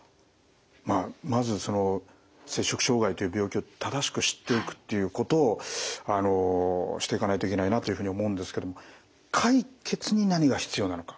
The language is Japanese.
まずその摂食障害という病気を正しく知っていくっていうことをしていかないといけないなというふうに思うんですけども解決に何が必要なのか。